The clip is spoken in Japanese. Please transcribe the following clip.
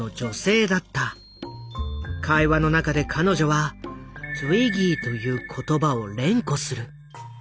会話の中で彼女は「Ｔｗｉｇｇｙ」という言葉を連呼する。